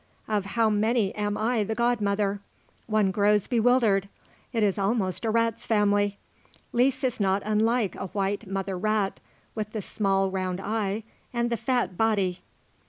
_ of how many am I the god mother? One grows bewildered. It is almost a rat's family. Lise is not unlike a white mother rat, with the small round eye and the fat body."